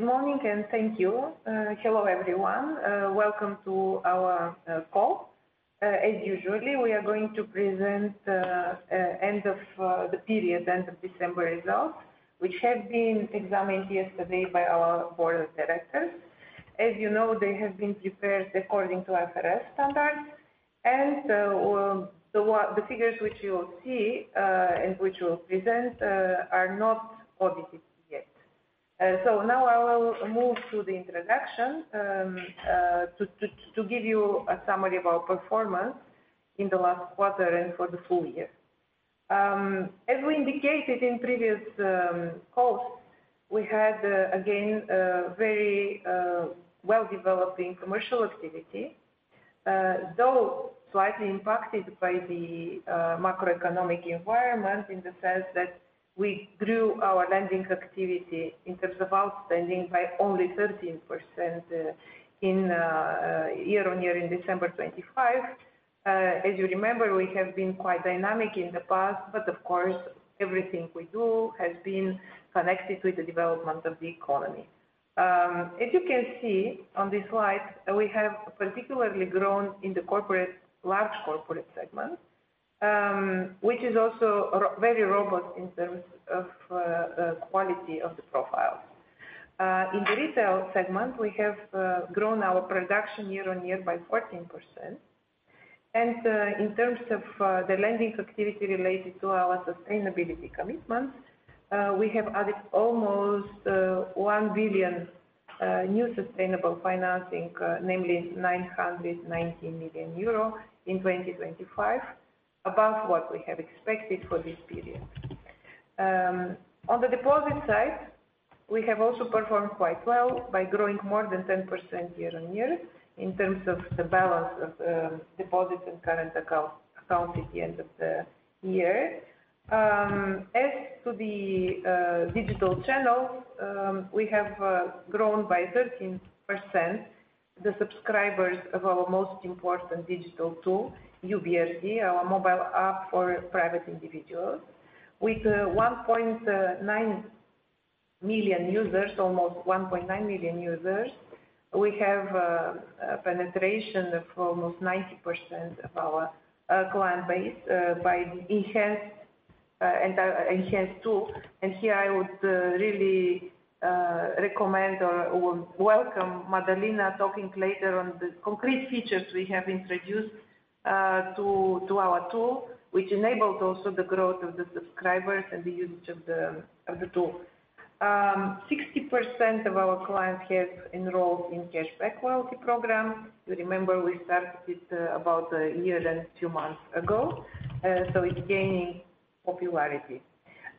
Good morning, and thank you. Hello, everyone. Welcome to our call. As usual, we are going to present the end-of-period, end-of-December results, which have been examined yesterday by our Board of Directors. As you know, they have been prepared according to IFRS standards, and the figures which you will see and which we'll present are not audited yet. Now I will move to the introduction to give you a summary of our performance in the last quarter and for the full year. As we indicated in previous calls, we had, again, very well-developing commercial activity. Though slightly impacted by the macroeconomic environment in the sense that we grew our lending activity in terms of outstanding by only 13% year-on-year in December 2025. As you remember, we have been quite dynamic in the past, but of course, everything we do has been connected with the development of the economy. As you can see on this slide, we have particularly grown in the large corporate segment, which is also very robust in terms of quality of the profiles. In the retail segment, we have grown our production year-over-year by 14%. In terms of the lending activity related to our sustainability commitments, we have added almost RON 1 billion new sustainable financing, namely 990 million euro in 2025, above what we have expected for this period. On the deposit side, we have also performed quite well by growing more than 10% year-on-year in terms of the balance of deposits and current accounts at the end of the year. As to the digital channels, we have grown by 13% the subscribers of our most important digital tool, YOU BRD, our mobile app for private individuals. With almost 1.9 million users, we have a penetration of almost 90% of our client base by the enhanced tool. Here I would really recommend or welcome Madalina talking later on the concrete features we have introduced to our tool, which enabled also the growth of the subscribers and the usage of the tool. 60% of our clients have enrolled in cashback loyalty program. You remember we started it about a year and two months ago, so it's gaining popularity.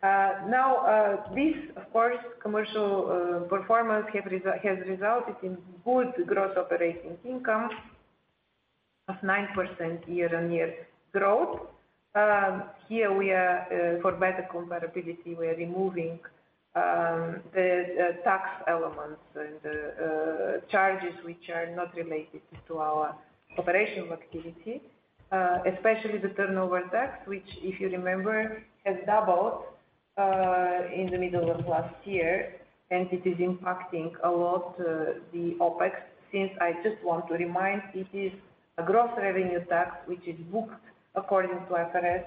Now this, of course, commercial performance has resulted in good growth operating income of 9% year-on-year growth. Here, for better comparability, we are removing the tax elements and charges which are not related to our operational activity. Especially the turnover tax, which, if you remember, has doubled in the middle of last year, and it is impacting a lot the OpEx, since I just want to remind, it is a gross revenue tax which is booked according to IFRS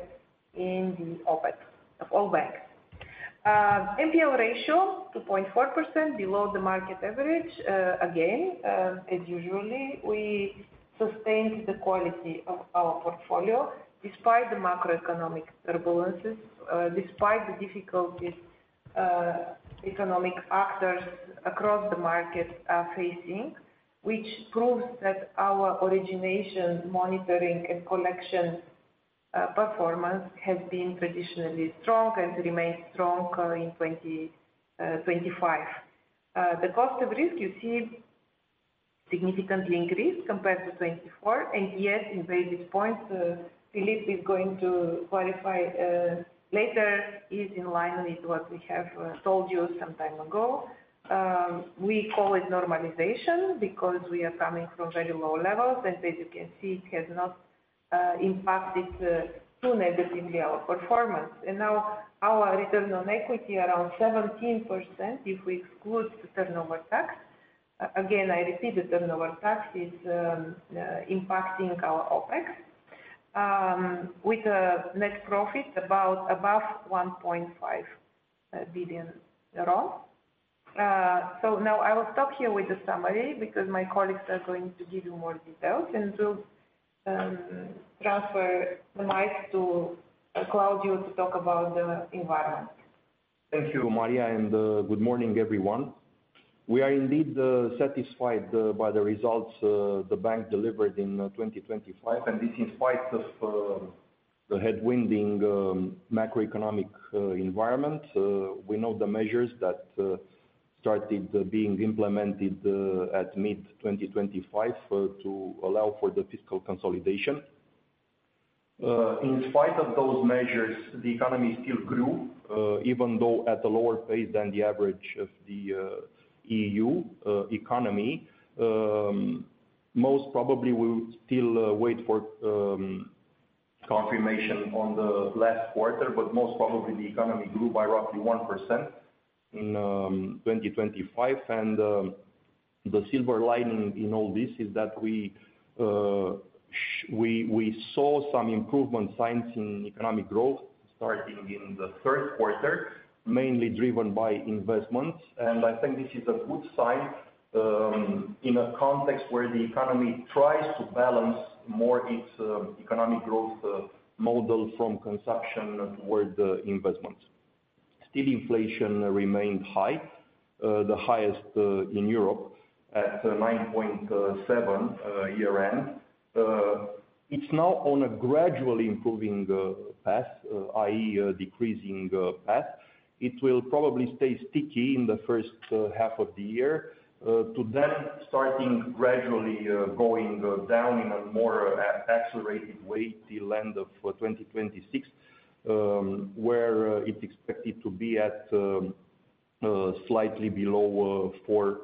in the OpEx of all banks. NPL ratio 2.4% below the market average. Again, as usually, we sustained the quality of our portfolio despite the macroeconomic turbulences, despite the difficulties economic actors across the market are facing, which proves that our origination, monitoring, and collection performance has been traditionally strong and remains strong in 2025. The cost of risk you see significantly increased compared to 2024 and yes, in basis points. Philippe is going to quantify later, is in line with what we have told you some time ago. We call it normalization because we are coming from very low levels and as you can see, it has not impacted too negatively our performance. Now our return on equity around 17% if we exclude the turnover tax. Again, I repeat, the turnover tax is impacting our OpEx, with a net profit above 1.5 billion euro. Now I will stop here with the summary because my colleagues are going to give you more details and to transfer the mic to Claudiu to talk about the environment. Thank you, Maria, and good morning everyone. We are indeed satisfied by the results the bank delivered in 2025, and this in spite of the headwinds in the macroeconomic environment. We know the measures that started being implemented at mid-2025 to allow for the fiscal consolidation. In spite of those measures, the economy still grew, even though at a lower pace than the average of the EU economy. Most probably we'll still wait for confirmation on the last quarter, but most probably the economy grew by roughly 1% in 2025. The silver lining in all this is that we saw some improvement signs in economic growth starting in the third quarter, mainly driven by investments. I think this is a good sign, in a context where the economy tries to balance more its economic growth model from consumption towards investments. Still, inflation remained high, the highest in Europe at 9.7% year end. It's now on a gradually improving path, i.e., decreasing path. It will probably stay sticky in the first half of the year, to then starting gradually going down in a more accelerated way till end of 2026, where it's expected to be at slightly below 4%.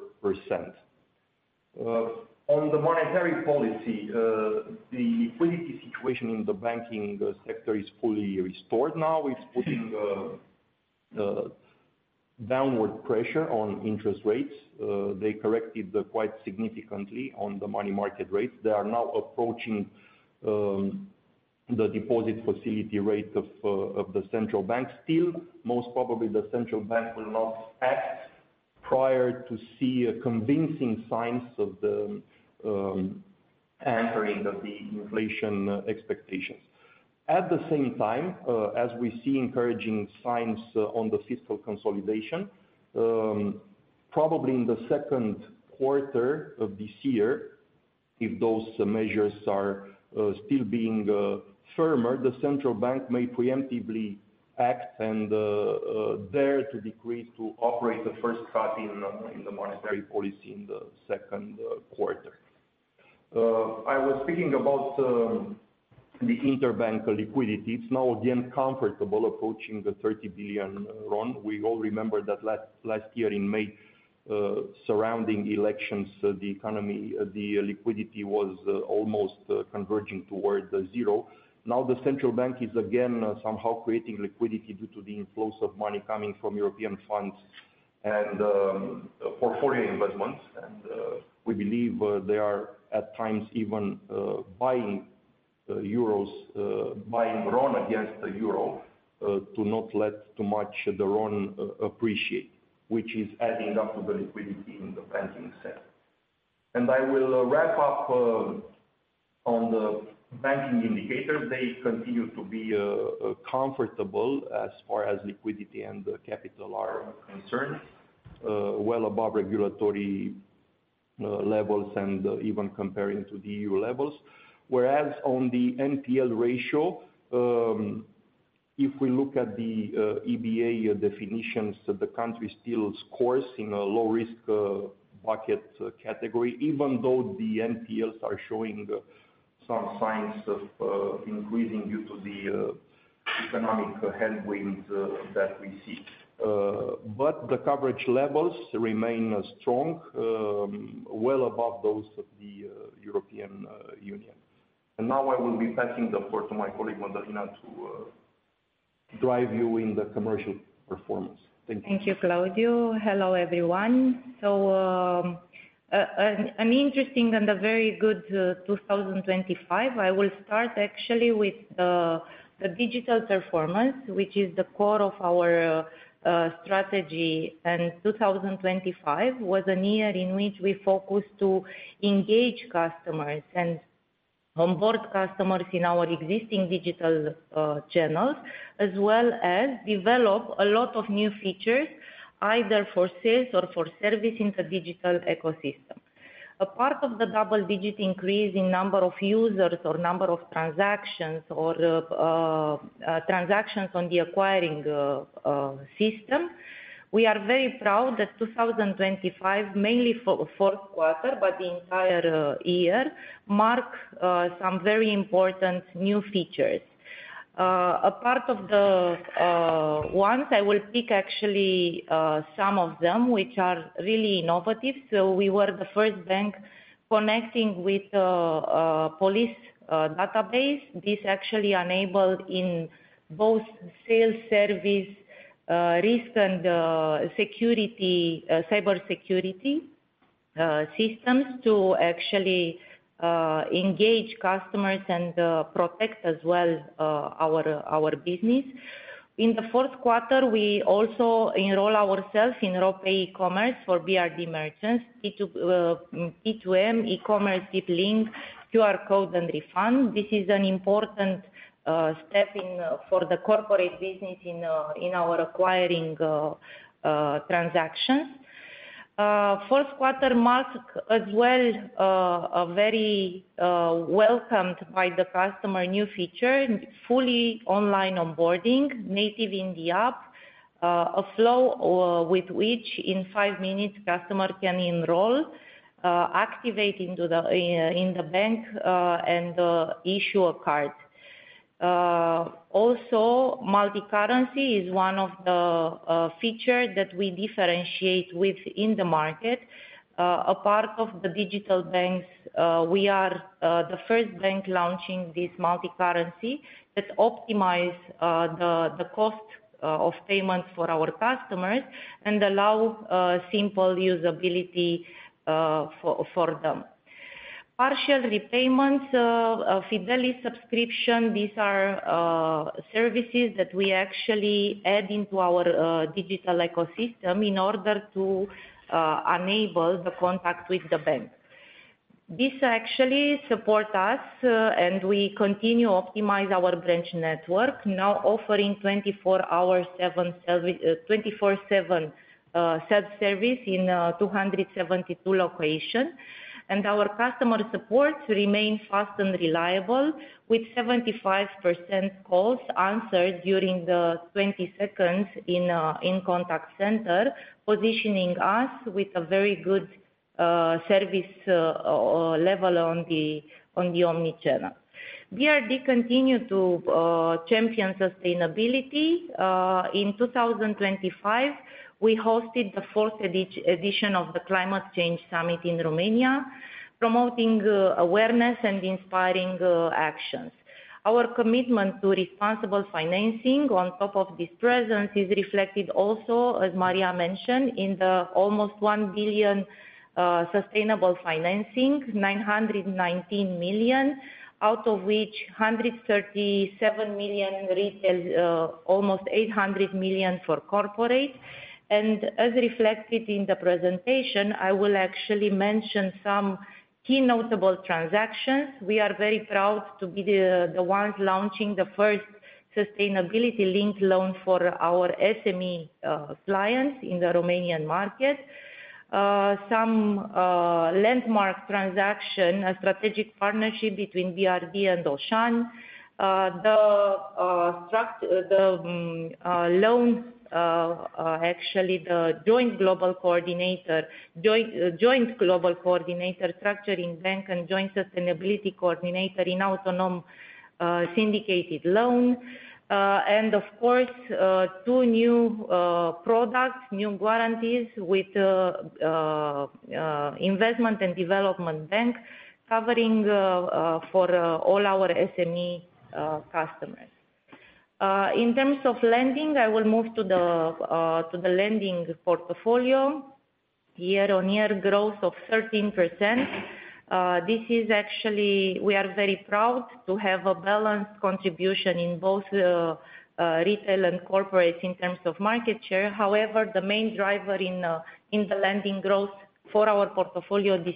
On the monetary policy, the liquidity situation in the banking sector is fully restored now. It's putting downward pressure on interest rates. They corrected quite significantly on the money market rates. They are now approaching the deposit facility rate of the central bank. Still, most probably, the central bank will not act prior to see convincing signs of the anchoring of the inflation expectations. At the same time, as we see encouraging signs on the fiscal consolidation, probably in the second quarter of this year, if those measures are still being firmer, the central bank may preemptively act and dare to decrease to operate the first cut in the monetary policy in the second quarter. I was speaking about the interbank liquidity. It's now again comfortable, approaching RON 30 billion. We all remember that last year in May, surrounding elections, the liquidity was almost converging towards zero. Now the central bank is again somehow creating liquidity due to the inflows of money coming from European funds and portfolio investments. We believe they are at times even buying RON against the euro to not let too much of the RON appreciate, which is adding up to the liquidity in the banking sector. I will wrap up on the banking indicators. They continue to be comfortable as far as liquidity and capital are concerned, well above regulatory levels and even comparing to the EU levels. Whereas on the NPL ratio, if we look at the EBA definitions, the country still scores in a low-risk bucket category, even though the NPLs are showing some signs of increasing due to the economic headwinds that we see. The coverage levels remain strong, well above those of the European Union. Now I will be passing the floor to my colleague, Madalina, to drive you in the commercial performance. Thank you. Thank you, Claudiu. Hello, everyone. An interesting and a very good 2025. I will start actually with the digital performance, which is the core of our strategy, and 2025 was a year in which we focused to engage customers and onboard customers in our existing digital channels, as well as develop a lot of new features, either for sales or for service in the digital ecosystem. Apart from the double-digit increase in number of users or number of transactions or transactions on the acquiring system, we are very proud that 2025, mainly fourth quarter, but the entire year, mark some very important new features. Apart from the ones, I will pick actually some of them, which are really innovative. We were the first bank connecting with police database. This actually enabled us in both sales service, risk and cybersecurity systems to actually engage customers and protect as well our business. In the fourth quarter, we also enroll ourselves in RoPay commerce for BRD merchants, P2M, e-commerce deep link, QR code, and refund. This is an important step for the corporate business in our acquiring transactions. Fourth quarter mark as well a very welcome by the customer new feature, fully online onboarding, native in the app, a flow with which in five minutes customer can enroll, activate in the bank, and issue a card. Also, multi-currency is one of the features that we differentiate with in the market. Apart from the digital banks, we are the first bank launching this multi-currency that optimize the cost of payments for our customers and allow simple usability for them. Partial repayments of utility subscription, these are services that we actually add into our digital ecosystem in order to enable the contact with the bank. This actually support us and we continue optimize our branch network, now offering 24/7 self-service in 272 locations, and our customer support remains fast and reliable with 75% calls answered during the 20 seconds in contact center, positioning us with a very good service level on the omnichannel. BRD continue to champion sustainability. In 2025, we hosted the fourth edition of the Climate Change Summit in Romania, promoting awareness and inspiring actions. Our commitment to responsible financing on top of this presence is reflected also, as Maria mentioned, in the almost RON 1 billion sustainable financing, RON 919 million, out of which RON 137 million retail, almost RON 800 million for corporate. As reflected in the presentation, I will actually mention some key notable transactions. We are very proud to be the ones launching the first sustainability-linked loan for our SME clients in the Romanian market. A landmark transaction, a strategic partnership between BRD and Auchan. The loan, actually the joint global coordinator structuring bank and joint sustainability coordinator in Autonom syndicated loan. Of course, two new products, new guarantees with Investment and Development Bank covering for all our SME customers. In terms of lending, I will move to the lending portfolio. Year-on-year growth of 13%. We are very proud to have a balanced contribution in both retail and corporate in terms of market share. However, the main driver in the lending growth for our portfolio this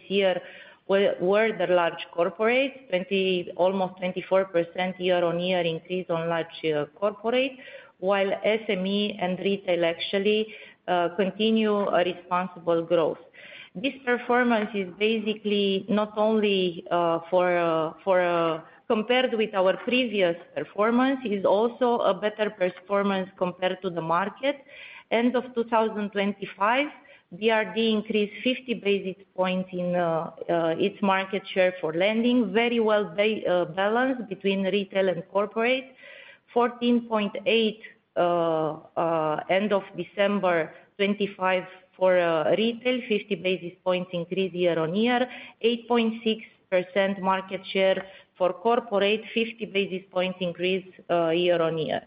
year were the large corporates, almost 24% year-on-year increase on large corporate, while SME and retail actually continue a responsible growth. This performance is basically not only compared with our previous performance, is also a better performance compared to the market. End of 2025, BRD increased 50 basis points in its market share for lending. Very well-balanced between retail and corporate, 14.8% end of December 2025 for retail, 50 basis point increase year-on-year, 8.6% market share for corporate, 50 basis point increase year-on-year.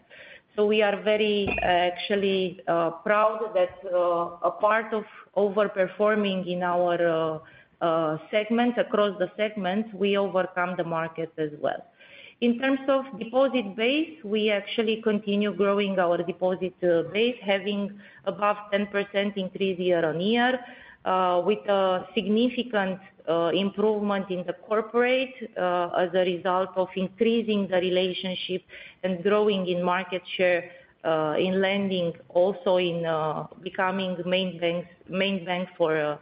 We are very actually proud that apart from over-performing in our segments, across the segments, we overcome the market as well. In terms of deposit base, we actually continue growing our deposit base, having above 10% increase year-on-year, with a significant improvement in the corporate as a result of increasing the relationship and growing in market share in lending, also in becoming main bank for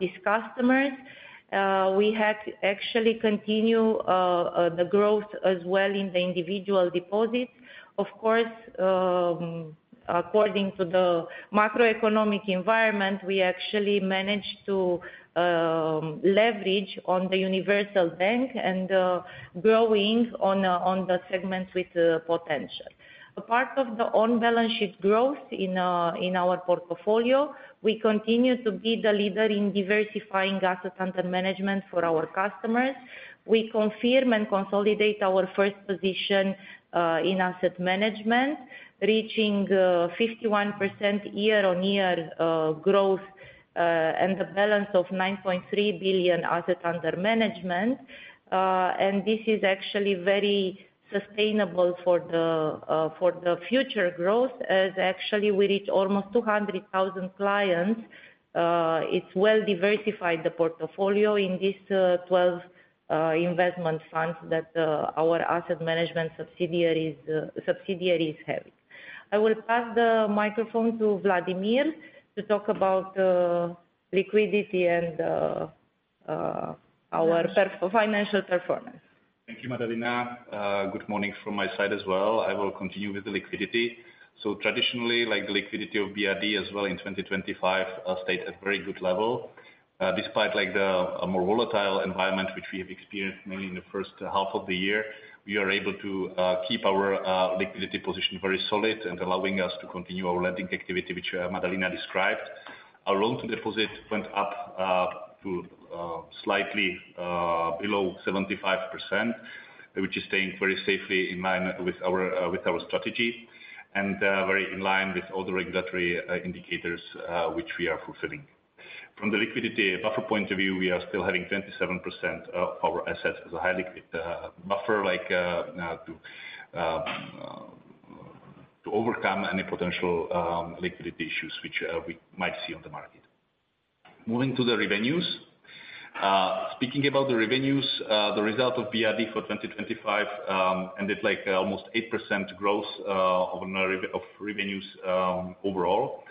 these customers. We have actually continued the growth as well in the individual deposits. Of course, according to the macroeconomic environment, we actually managed to leverage on the universal bank and growing on the segments with potential. A part of the on-balance sheet growth in our portfolio, we continue to be the leader in diversifying assets under management for our customers. We confirm and consolidate our first position in asset management, reaching 51% year-on-year growth and the balance of RON 9.3 billion assets under management. This is actually very sustainable for the future growth as actually we reach almost 200,000 clients. It's well diversified, the portfolio in these 12 investment funds that our asset management subsidiaries have. I will pass the microphone to Vladimir to talk about liquidity and our financial performance. Thank you, Madalina. Good morning from my side as well. I will continue with the liquidity. Traditionally, the liquidity of BRD as well in 2025 stayed at very good level. Despite the more volatile environment which we have experienced mainly in the first half of the year, we are able to keep our liquidity position very solid and allowing us to continue our lending activity, which Madalina described. Our loan to deposit went up to slightly below 75%, which is staying very safely in line with our strategy and very in line with all the regulatory indicators which we are fulfilling. From the liquidity buffer point of view, we are still having 27% of our assets as a high liquidity buffer, to overcome any potential liquidity issues which we might see on the market. Moving to the revenues. Speaking about the revenues, the result of BRD for 2025 ended almost 8% growth of revenues overall.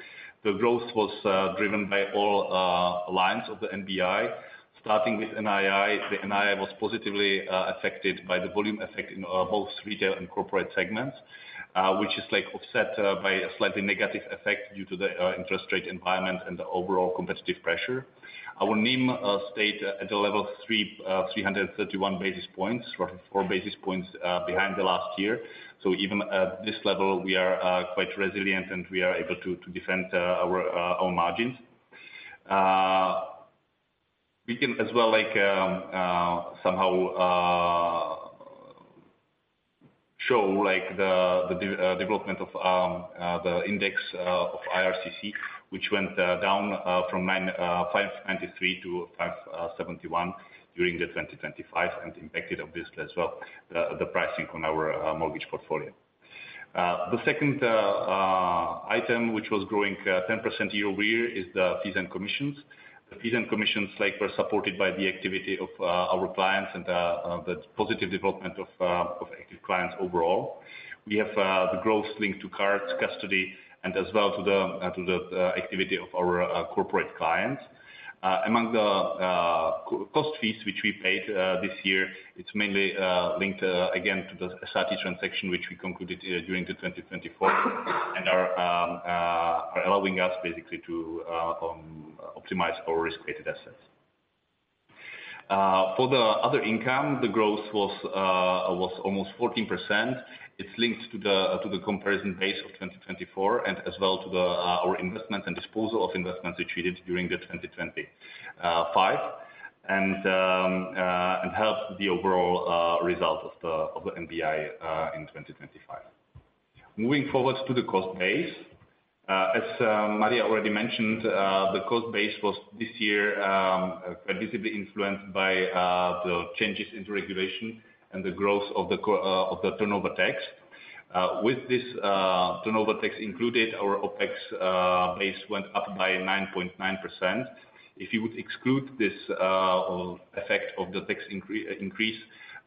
The growth was driven by all lines of the NBI, starting with NII. The NII was positively affected by the volume effect in both retail and corporate segments, which is offset by a slightly negative effect due to the interest rate environment and the overall competitive pressure. Our NIM stayed at the level 331 basis points, or 4 basis points behind the last year. Even at this level, we are quite resilient, and we are able to defend our own margins. We can as well somehow show the development of the index of IRCC, which went down from 593 to 571 during 2025 and impacted obviously as well, the pricing on our mortgage portfolio. The second item which was growing 10% year-over-year is the fees and commissions. The fees and commissions were supported by the activity of our clients and the positive development of active clients overall. We have the growth linked to cards, custody, and as well to the activity of our corporate clients. Among the cost fees which we paid this year, it's mainly linked again to the SRT transaction, which we concluded during 2024 and are allowing us basically to optimize our risk-weighted assets. For the other income, the growth was almost 14%. It's linked to the comparison basis of 2024 and as well to our investment and disposal of investments we traded during 2025 and helped the overall result of the NBI in 2025. Moving forward to the cost base. As Maria already mentioned, the cost base was this year visibly influenced by the changes in the regulation and the growth of the turnover tax. With this turnover tax included, our OpEx base went up by 9.9%. If you would exclude this effect of the tax increase,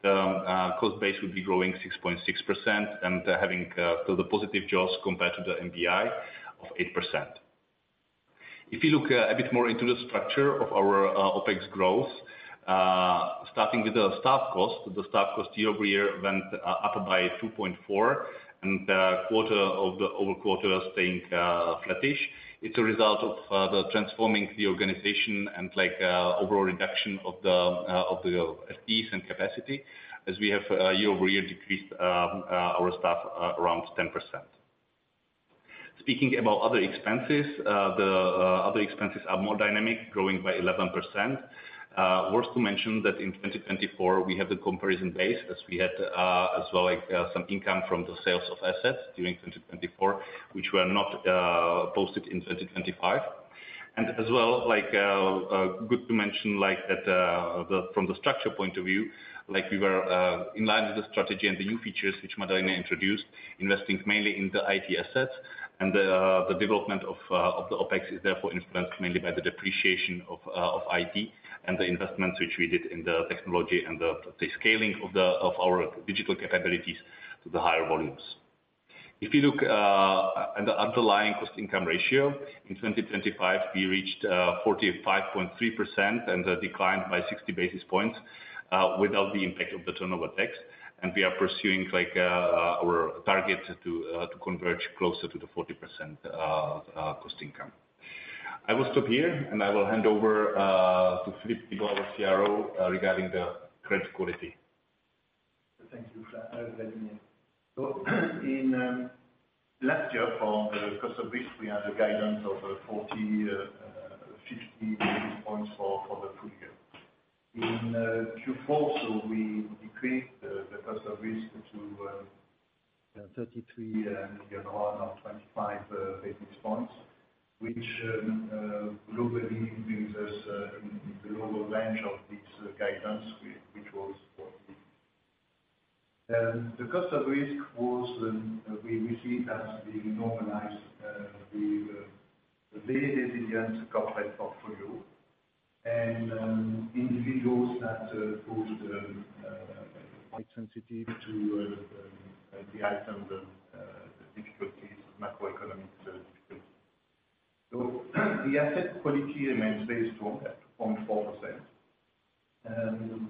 the cost base would be growing 6.6% and having the positive jaws compared to the NBI of 8%. If you look a bit more into the structure of our OpEx growth, starting with the staff cost, the staff cost year-over-year went up by 2.4% and quarter-over-quarter staying flattish. It's a result of transforming the organization and overall reduction of the FTEs and capacity as we have year-over-year decreased our staff around 10%. Speaking about other expenses, the other expenses are more dynamic, growing by 11%. Worth to mention that in 2024, we have the comparison base as we had as well some income from the sales of assets during 2024, which were not posted in 2025. As well, good to mention that from the structure point of view, we were in line with the strategy and the new features which Madalina introduced, investing mainly in the IT assets and the development of the OpEx is therefore influenced mainly by the depreciation of IT and the investments which we did in the technology and the scaling of our digital capabilities to the higher volumes. If you look at the underlying cost income ratio, in 2025, we reached 45.3% and declined by 60 basis points without the impact of the turnover tax, and we are pursuing our target to converge closer to the 40% cost income. I will stop here, and I will hand over to Philippe, our CRO, regarding the credit quality. Thank you, Vladimir. In last year for the cost of risk, we had a guidance of 40-50 basis points for the full year. In Q4, we decreased the cost of risk to RON 33 million or 25 basis points, which globally brings us in the lower range of this guidance, which was 40 basis points. The cost of risk, we see it as being normalized with very resilient corporate portfolio and individuals that proved quite sensitive to the income, the difficulties of macroeconomic environment. The asset quality remains very strong at 24%.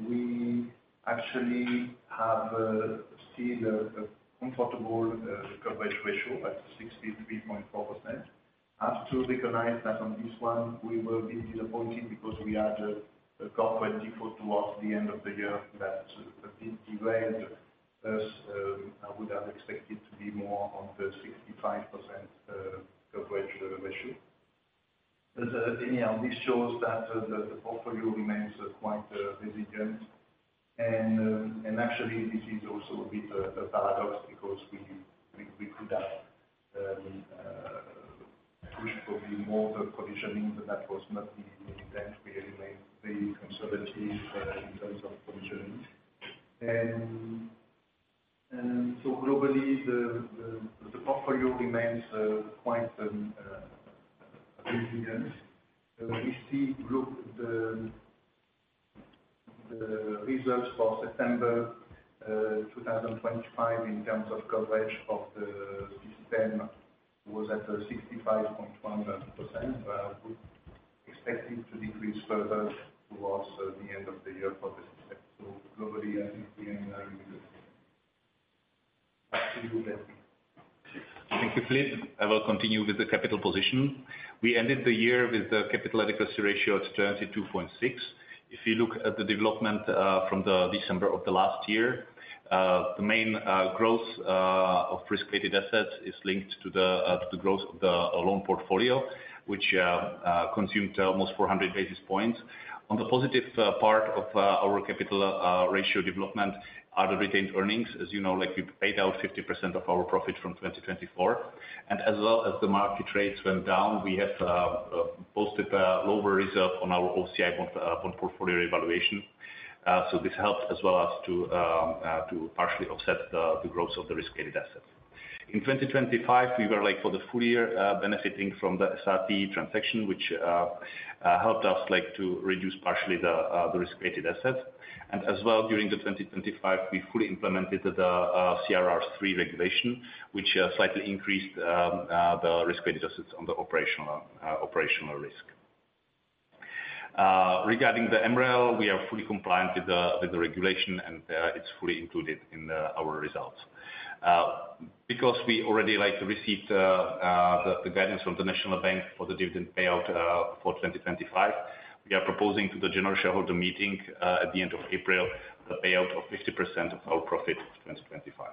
We actually have seen a comfortable coverage ratio at 63.4%. We have to recognize that on this one, we will be disappointed because we had a corporate default towards the end of the year that a bit derailed us. I would have expected to be more on the 65% coverage ratio. Anyhow, this shows that the portfolio remains quite resilient. Actually, this is also a bit of a paradox because we could have pushed probably more the provisioning, but that was not the intent. We remain pretty conservative in terms of provisioning. Globally, the portfolio remains quite resilient. We see the results for September 2025 in terms of coverage of the system was at 65.1%, but we expect it to decrease further towards the end of the year for the system. Globally, I think we are in good shape. Back to you, Vladimir. Thank you, Philippe. I will continue with the capital position. We ended the year with the capital adequacy ratio at 22.6. If you look at the development from the December of the last year, the main growth of risk-weighted assets is linked to the growth of the loan portfolio, which consumed almost 400 basis points. On the positive part of our capital ratio development are the retained earnings. As you know, we paid out 50% of our profit from 2024. As well as the market rates went down, we have posted a lower reserve on our OCI bond portfolio evaluation. This helped as well as to partially offset the growth of the risk-weighted assets. In 2025, we were, for the full year, benefiting from the SRT transaction, which helped us to reduce partially the risk-weighted assets. As well, during 2025, we fully implemented the CRR3 regulation, which slightly increased the risk-weighted assets on the operational risk. Regarding the MREL, we are fully compliant with the regulation, and it's fully included in our results. Because we already received the guidance from the National Bank for the dividend payout for 2025, we are proposing to the general shareholder meeting, at the end of April, the payout of 50% of our profit of 2025.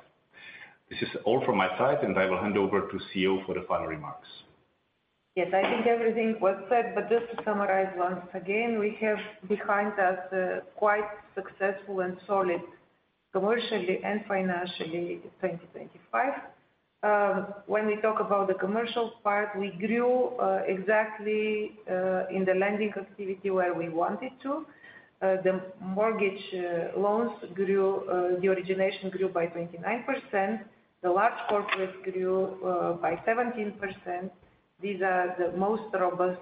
This is all from my side, and I will hand over to CEO for the final remarks. Yes, I think everything was said, but just to summarize once again, we have behind us a quite successful and solid, commercially and financially, 2025. When we talk about the commercial part, we grew exactly in the lending activity where we wanted to. The mortgage loans, the origination grew by 29%. The large corporate grew by 17%. These are the most robust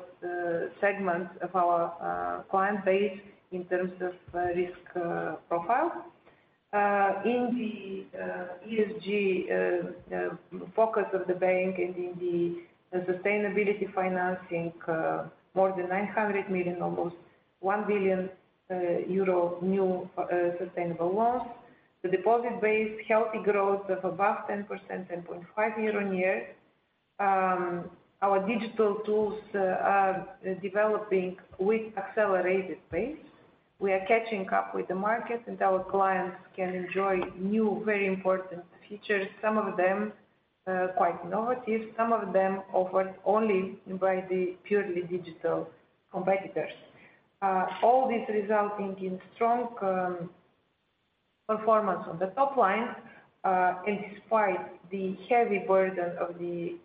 segments of our client base in terms of risk profile. In the ESG focus of the bank and in the sustainability financing, more than 900 million, almost 1 billion euro, new sustainable loans. The deposit base, healthy growth of above 10%, 10.5% year-on-year. Our digital tools are developing with accelerated pace. We are catching up with the market, and our clients can enjoy new, very important features. Some of them are quite innovative. Some of them offered only by the purely digital competitors. All this resulting in strong performance on the top line, and despite the heavy burden of the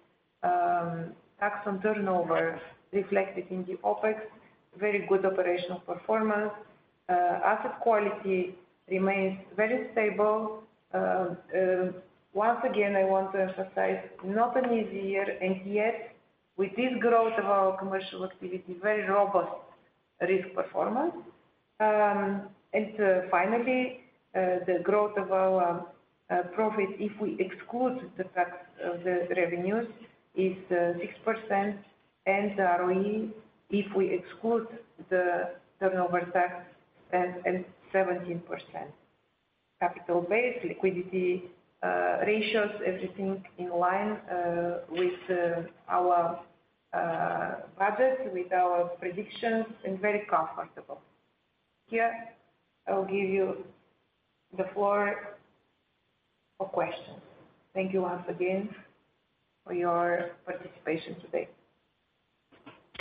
tax on turnover reflected in the OpEx, very good operational performance. Asset quality remains very stable. Once again, I want to emphasize, not an easy year, and yet with this growth of our commercial activity, very robust risk performance. Finally, the growth of our profit, if we exclude the tax of the revenues, is 6%, and the ROE, if we exclude the turnover tax, stands at 17%. Capital base, liquidity ratios, everything in line with our budget, with our predictions, and very comfortable. Here, I will give you the floor for questions. Thank you once again for your participation today.